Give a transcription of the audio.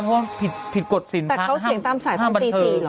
ว่าผิดกฎศิลปะห้ามบันเทอแต่เขาเสียงตามสายต้องตีสี่หรอ